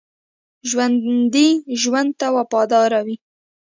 ژوندي ژوند ته وفادار وي